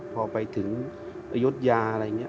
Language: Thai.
พอไปถึงอายุทยาอะไรอย่างนี้